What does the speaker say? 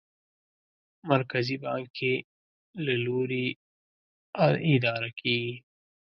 مرکزي بانک یې له لوري اداره کېږي.